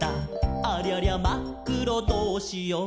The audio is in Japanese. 「ありゃりゃ、まっくろどうしよー！？」